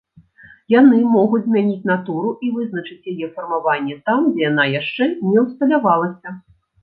Яны могуць змяніць натуру і вызначыць яе фармаванне там, дзе яна яшчэ не ўсталявалася.